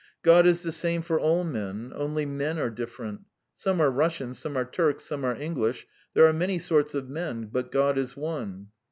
"God is the same for all men, only men are different. Some are Russian, some are Turks, some are English there are many sorts of men, but God is one."